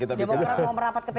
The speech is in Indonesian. kita rapat ke pdi perjuangan